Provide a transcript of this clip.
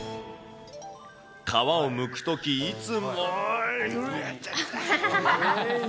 皮をむくとき、いつも。